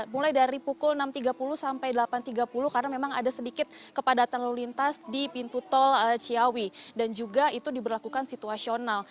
mulai dari pukul enam tiga puluh sampai delapan tiga puluh karena memang ada sedikit kepadatan lalu lintas di pintu tol ciawi dan juga itu diberlakukan situasional